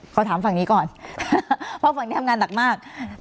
ขอถามฝั่งนี้ก่อนเพราะฝั่งนี้ทำงานหนักมาก